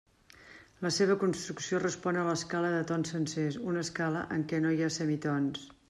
La seva construcció respon a l'escala de tons sencers, una escala en què no hi ha semitons.